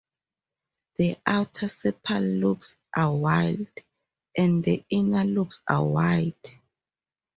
The outer sepal lobes are wide and the inner lobes are wide.